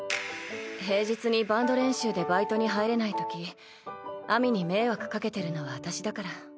平日にバンド練習でバイトに入れないとき秋水に迷惑かけてるのは私だから。